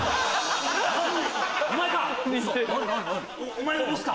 お前か！